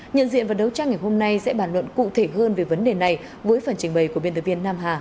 nhận diện và đấu tranh ngày hôm nay sẽ bàn luận cụ thể hơn về vấn đề này với phần trình bày của biên tập viên nam hà